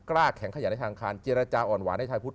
กล้าแข็งขยันในทางอังคารเจรจาอ่อนหวานให้ชายพุทธ